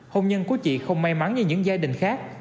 hôn nhân của chị không may mắn như những gia đình khác